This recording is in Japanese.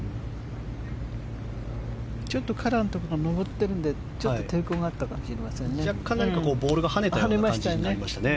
ちょっとカラーのところが上ってるので抵抗があったかもしれませんね。